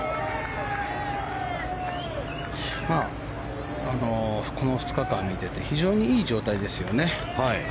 まあ、この２日間見ていて非常にいい状態ですよね。